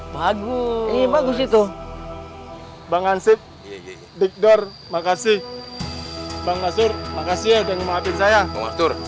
bagus itu bang ansip dikdor makasih bang kasur makasih dan memaafin saya